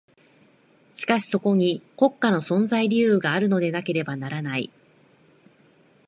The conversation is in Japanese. しかしそこに国家の存在理由があるのでなければならない。